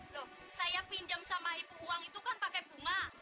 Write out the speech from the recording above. loh saya pinjam sama ibu uang itu kan pakai bunga